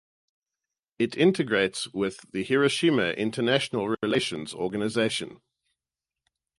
It integrates with the Hiroshima International Relations Organization.